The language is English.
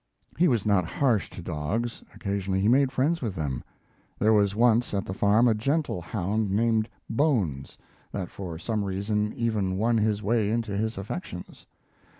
He was not harsh to dogs; occasionally he made friends with them. There was once at the farm a gentle hound, named Bones, that for some reason even won his way into his affections.